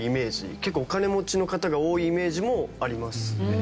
結構お金持ちの方が多いイメージもありますね。